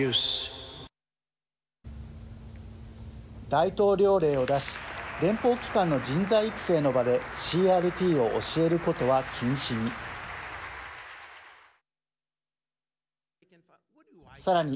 大統領令を出し連邦機関の人材育成の場でＣＲＴを教えることは禁止に。